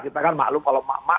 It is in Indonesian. kita kan makhluk kalau mak mak